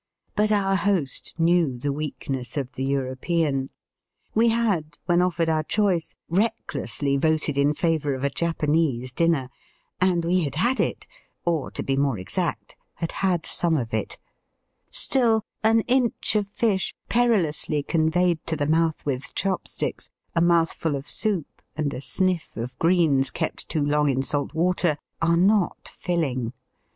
But our host knew the weakness of the European. We had, when offered our choice, recklessly voted in favour of a Japanese dinner, and we had had it, or, to be more exact, had had some of Digitized by VjOOQIC DININO AND CREMATING. 17 it. Still an inch of fish, perilously conveyed to the mouth with chopsticks, a mouthful of soup, and a sniff of greens kept too long in salt water, are not filling.